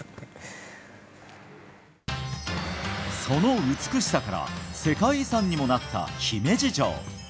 その美しさから世界遺産にもなった姫路城。